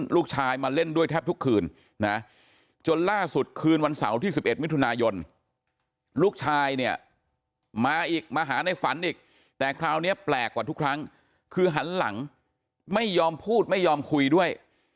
ลูกชายเนี่ยมาอีกมาหาในฝันอีกแต่คราวนี้แปลกกว่าทุกครั้งคือหันหลังไม่ยอมพูดไม่ยอมคุยด้วย